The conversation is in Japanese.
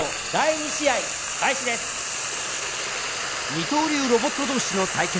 二刀流ロボット同士の対決。